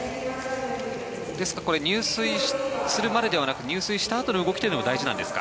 ですから、入水するまでではなく入水したあとの動きというのは大事なんですか？